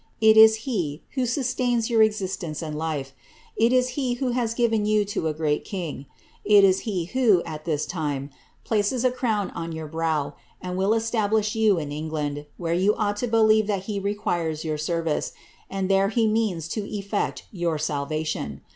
It is he, who sustains your existence and life ; it is he who has given 3rou to a great king ; it is he who, at this time, places a crown oo your brow, and will establish you in England, where you ought to believe that he requires your service, and there he means to effect your salvation.